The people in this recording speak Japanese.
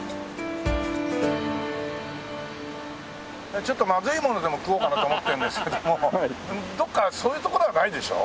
ちょっとまずいものでも食おうかなと思ってるんですけどどっかそういう所はないでしょ？